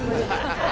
ハハハ。